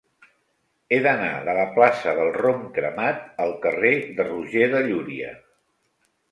He d'anar de la plaça del Rom Cremat al carrer de Roger de Llúria.